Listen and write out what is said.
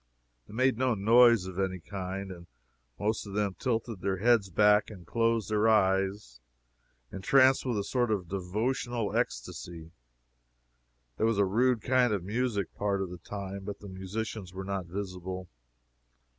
They made no noise of any kind, and most of them tilted their heads back and closed their eyes, entranced with a sort of devotional ecstacy. There was a rude kind of music, part of the time, but the musicians were not visible.